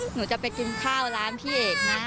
หนูจะไปกินข้าวร้านพี่เอกนะ